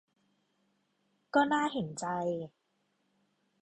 ก็ "น่าเห็นใจ"